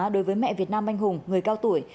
đối với mẹ việt nam anh hùng người cao tuổi